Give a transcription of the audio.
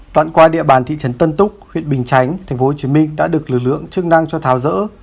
đoạn qua địa bàn thị trấn tân túc huyện bình chánh tp hcm đã được lực lượng chức năng cho tháo rỡ